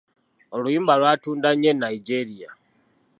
Oluyimba lwatunda nnyo e Nigeria.